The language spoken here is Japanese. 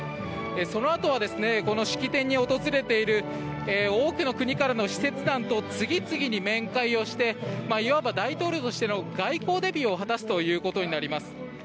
そのあとはこの式典に訪れている多くの国からの使節団と次々に面会をしていわば大統領としての外交デビューを果たすということになります。